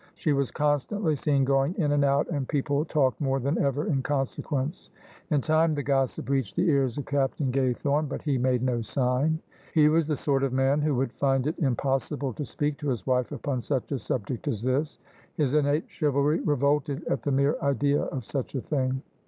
She was constantly seen going in and out, and people talked more than ever in consequence. In time the gossip reached the ears of Captain Gaythome : but he made no sign. He was the sort of tram who would find it impossible to speak to his wife upon such a subject as this; his innate chivalry revolted at the mere idea of such a thing.